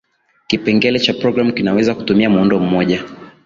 kipenngele cha programu kinaweza kutumia muundo mmoja